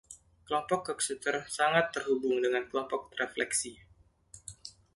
Kelompok Coxeter sangat terhubung dengan kelompok refleksi.